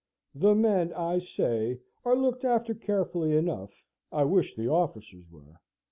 The men, I say, are looked after carefully enough. I wish the officers were.